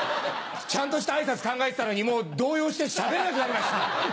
ちゃんとした挨拶考えてたのにもう動揺してしゃべれなくなりました。